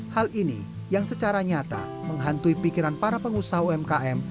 hal ini yang secara nyata menghantui pikiran para pengusaha umkm